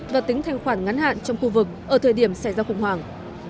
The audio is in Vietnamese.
và tính thanh khoản ngắn hạn trong khu vực ở thời điểm xảy ra khủng hoảng